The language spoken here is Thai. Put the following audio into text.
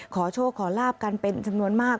ขอโชคขอลาบกันเป็นจำนวนมาก